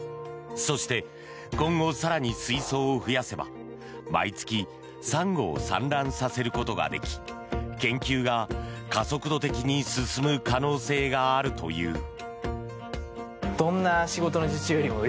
そして、今後更に水槽を増やせば毎月サンゴを産卵させることができ研究が加速度的に進む可能性があるという。